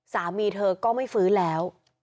สามีเธอก็ไม่ฟื้นแล้ว